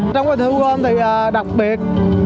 trong cái thu gom thì đặc biệt